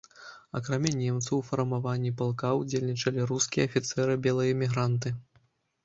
Акрамя немцаў у фармаванні палка ўдзельнічалі рускія афіцэры-белаэмігранты.